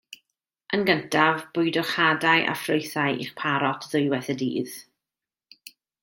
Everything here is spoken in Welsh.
Yn gyntaf bwydwch hadau a ffrwythau i'ch parot ddwywaith y dydd.